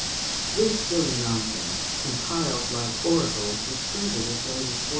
] This silly nonsense, compiled like oracles, was printed as late as 1493.